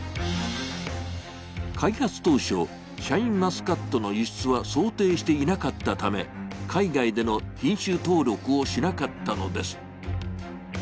開発当初、シャインマスカットの輸出は想定していなかったため海外での品種登録をしなかったのです。